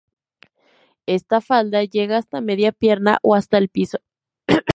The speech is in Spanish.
Esta falda llega hasta media pierna o hasta el piso.